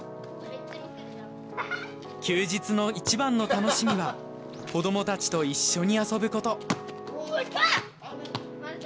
休日の一番の楽しみは子供たちと一緒に遊ぶ事。